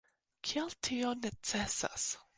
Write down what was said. Kial tio necesas?